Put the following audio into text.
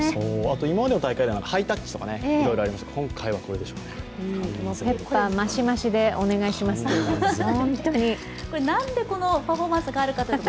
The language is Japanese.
今までの大会では、ハイタッチとかいろいろありましたが、ペッパーましましでお願いしますという感じで、本当になんでこのパフォーマンスがあるかというと、